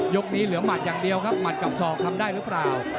นี้เหลือหมัดอย่างเดียวครับหมัดกับศอกทำได้หรือเปล่า